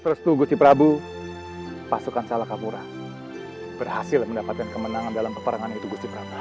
seterusnya guci prabu pasukan salakapura berhasil mendapatkan kemenangan dalam peperangan itu